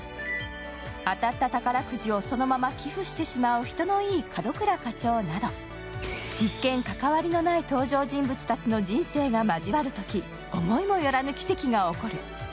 当たった宝くじをそのまま寄付してしまう、人のいい門倉課長など一見、関わりのない登場人物たちの人生が交わるとき、思いもよらぬ奇跡が起こる。